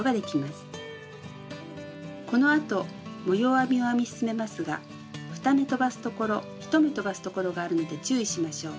編みを編み進めますが２目とばすところ１目とばすところがあるので注意しましょう。